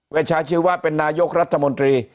ชาชีวะเป็นนายกรัฐมนตรี